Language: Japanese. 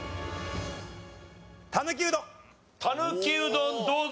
たぬきうどんどうだ？